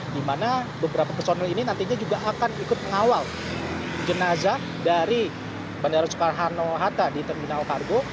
di mana beberapa personil ini nantinya juga akan ikut mengawal jenazah dari bandara soekarno hatta di terminal kargo